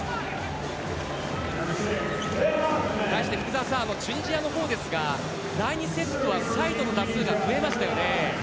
福澤さん、チュニジアのほうですが第２セットはサイドの打数が増えましたね。